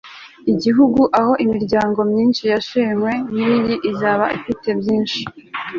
igihugu aho imiryango myinshi yashenywe nkiyi izaba ifite byinshi